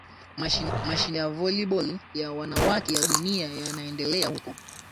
mashindano ya voliboli ya wanawake ya dunia yanaendelea huko